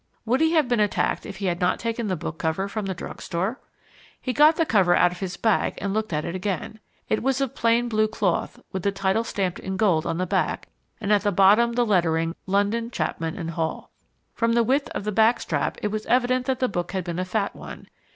Would he have been attacked if he had not taken the book cover from the drug store? He got the cover out of his bag and looked at it again. It was of plain blue cloth, with the title stamped in gold on the back, and at the bottom the lettering London: Chapman and Hall. From the width of the backstrap it was evident that the book had been a fat one.